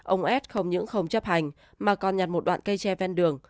ông ed không những không chấp hành mà còn nhặt một đoạn cây tre ven đường